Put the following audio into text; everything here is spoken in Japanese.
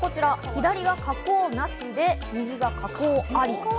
左は加工なしで、右が加工あり。